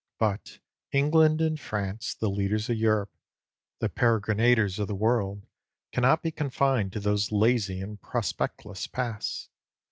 But England and France, the leaders of Europe, the peregrinators of the world, cannot be confined to those lazy and prospectless paths.